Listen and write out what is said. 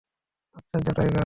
আশ্চর্য, টাইগার!